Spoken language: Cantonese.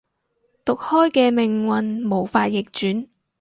毒開嘅命運無法逆轉